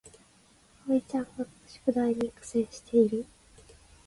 あおいちゃんが宿題に苦戦している